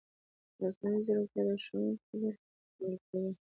مصنوعي ځیرکتیا د ښوونکي رول تکمیلي کوي.